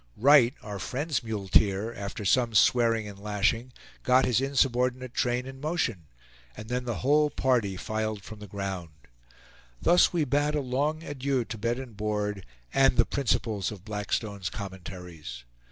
Wright, our friend's muleteer, after some swearing and lashing, got his insubordinate train in motion, and then the whole party filed from the ground. Thus we bade a long adieu to bed and board, and the principles of Blackstone's Commentaries.